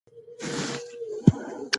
فکر مې د همت صاحب په مصیبت کې بند و.